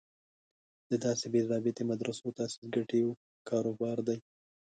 د داسې بې ضابطې مدرسو تاسیس ګټې کار و بار دی.